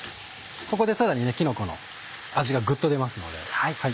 ここでさらにきのこの味がぐっと出ますので。